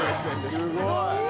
・すごい！